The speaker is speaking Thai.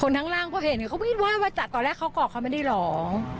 คนทั้งล่างก็เห็นเขาไม่คิดว่าว่าจับตอนแรกเขากอบเขาไม่ได้หรอก